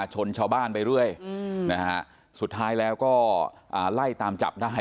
ชนชาวบ้านไปเรื่อยนะฮะสุดท้ายแล้วก็ไล่ตามจับได้